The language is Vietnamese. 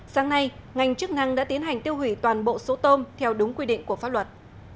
sáng nay ngành chức năng đã tiến hành tiêu hủy toàn bộ số tôm theo đúng quy định của pháp luật